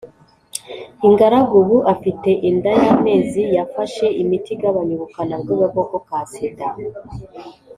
ingaragu ubu afite inda y amezi yafashe imiti igabanya ubukana bw agakoko ka sida